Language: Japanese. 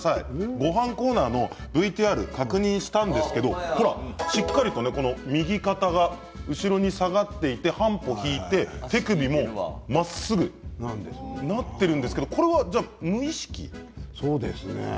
ごはんコーナーのＶＴＲを確認したんですけど、ほらしっかりと右肩が後ろに下がっていて半歩引いて、手首もまっすぐなってるんですけどそうですね。